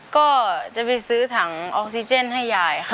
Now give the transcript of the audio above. ก็จะไปซื้อถังออกซิเจนให้ยายค่ะ